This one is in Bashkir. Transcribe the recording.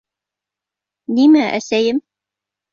— Нимә әсәйем?